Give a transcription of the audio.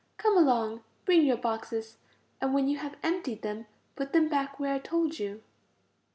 Come along; bring your boxes, and when you have emptied them put them back where I told you."